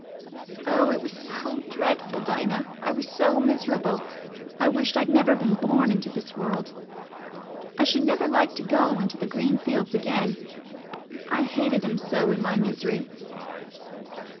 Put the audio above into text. Oh, it was so dreadful, Dinah... I was so miserable... I wished I'd never been born into this world. I should never like to go into the green fields again—I hated 'em so in my misery."